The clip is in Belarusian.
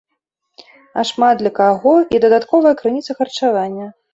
А шмат для каго і дадатковая крыніца харчавання.